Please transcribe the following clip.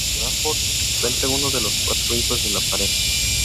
Crawford fue el segundo de los cuatro hijos de la pareja.